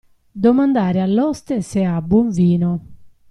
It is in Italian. Domandare all'oste se ha buon vino.